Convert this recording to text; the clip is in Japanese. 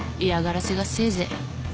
嫌がらせがせいぜい。